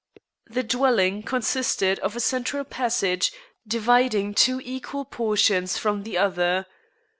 The dwelling consisted of a central passage, dividing two equal portions from the other.